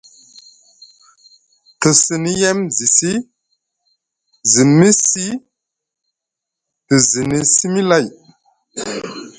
Te sini yem zi ci, zi mi siy, te zini simi lay.